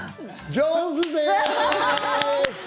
上手です。